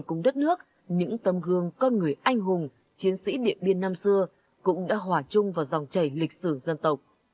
cùng đất nước những tấm gương con người anh hùng chiến sĩ điện biên năm xưa cũng đã hòa chung vào dòng chảy lịch sử dân tộc